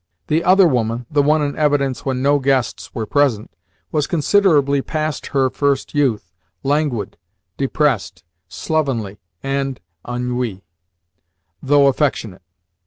The other woman (the one in evidence when no guests were present) was considerably past her first youth, languid, depressed, slovenly, and ennuyee, though affectionate.